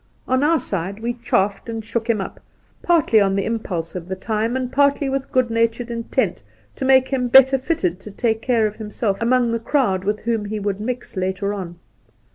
On our side, we chaffed and shook him up, partly on this impulse of the time, and partly with good natured intent to make him better fitted to take care of himself among the crowd with whom he would mix later on.